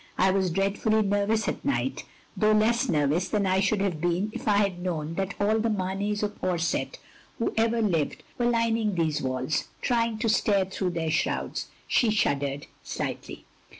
I was dreadfully nervous at night ; though less nervous than I should have been if I nad known that all the Mameys of Orsett OF GROSVENOR SQUARE 199 who ever lived were lining these walls, trying to stare throt^h their shrouds," she shuddered slightly.